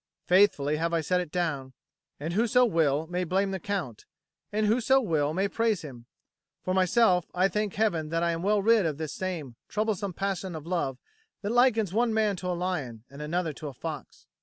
Faithfully have I set it down, and whoso will may blame the Count, and whoso will may praise him. For myself, I thank Heaven that I am well rid of this same troublesome passion of love that likens one man to a lion and another to a fox.